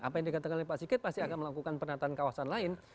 apa yang dikatakan oleh pak sigit pasti akan melakukan penataan kawasan lain